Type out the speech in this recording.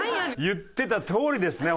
言ってたとおりですね